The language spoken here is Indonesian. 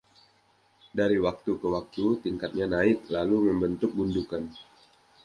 Dari waktu ke waktu, tingkatnya naik, lalu membentuk gundukan.